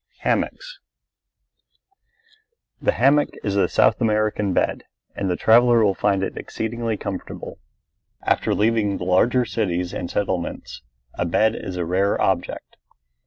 HAMMOCKS The hammock is the South American bed, and the traveller will find it exceedingly comfortable. After leaving the larger cities and settlements a bed is a rare object.